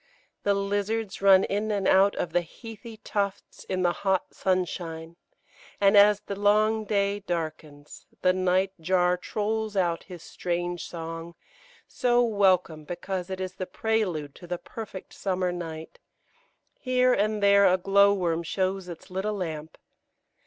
The lizards run in and out of the heathy tufts in the hot sunshine, and as the long day darkens the night jar trolls out his strange song, so welcome because it is the prelude to the perfect summer night; here and there a glowworm shows its little lamp.